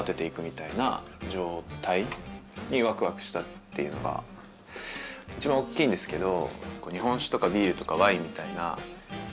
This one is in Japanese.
っていうのが一番大きいんですけど。